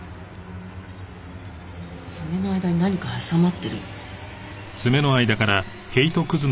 爪の間に何か挟まってる。